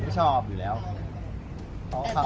พี่พอแล้วพี่พอแล้ว